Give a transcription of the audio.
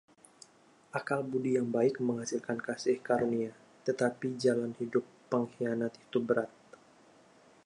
Akal budi yang baik menghasilkan kasih karunia, tetapi jalan hidup pengkhianat itu berat.